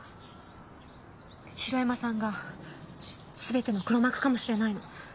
城山さんが全ての黒幕かもしれないの。